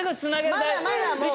まだまだもう。